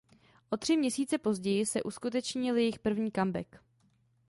O tři měsíce později se uskutečnil jejich první comeback.